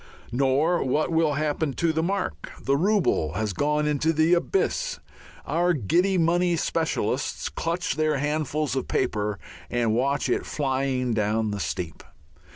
Nor what will happen to the mark. The rouble has gone into the Abyss. Our giddy money specialists clutch their handfuls of paper and watch it flying down the steep.